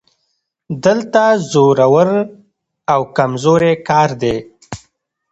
دلته زورور او کمزوری کار دی